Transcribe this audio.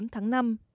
bốn tháng năm